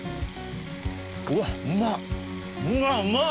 うわっうまっ！